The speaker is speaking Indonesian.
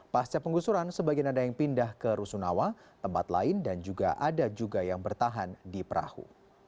pasca penggusuran sebagian ada yang pindah ke rusunawa tempat lain dan juga ada juga yang bertahan di perahu